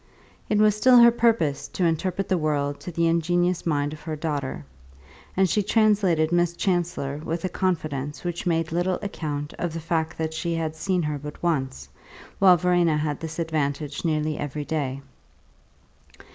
It was still her purpose to interpret the world to the ingenious mind of her daughter, and she translated Miss Chancellor with a confidence which made little account of the fact that she had seen her but once, while Verena had this advantage nearly every day.